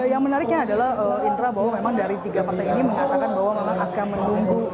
yang menariknya adalah indra bahwa memang dari tiga partai ini mengatakan bahwa memang akan menunggu